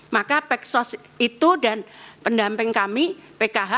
maka peksos itu dan pendamping kami pkh